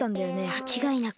まちがいなく。